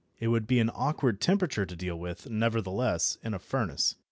It would be an awkward temperature to deal with, nevertheless, in a furnace.